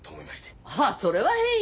ああそれは変よ